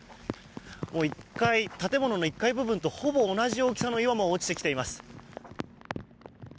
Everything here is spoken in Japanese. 建物の１階部分とほぼ同じ大きさの岩も落ちてきています。